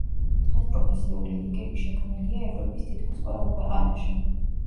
დღეს პროფესიული ლიგები შექმნილია ევროპის თითქმის ყველა ქვეყანაში.